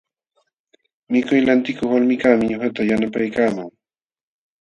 Mikuy lantikuq walmikaqmi ñuqata yapaykaman.